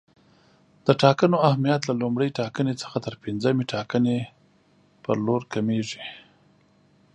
د ټاکنو اهمیت له لومړۍ ټاکنې څخه تر پنځمې ټاکنې پر لور کمیږي.